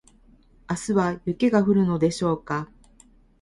明日は雪が降るのでしょうか